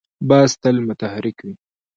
باز تل متحرک وي